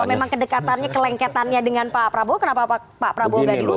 kalau memang kedekatannya kelengketannya dengan pak prabowo kenapa pak prabowo gak diundang waktu itu